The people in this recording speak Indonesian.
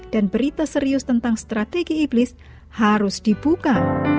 dan berita serius tentang strategi iblis harus dibuka